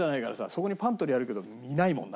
そこにパントリーあるけどいないもんな